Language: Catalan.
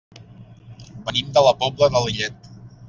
Venim de la Pobla de Lillet.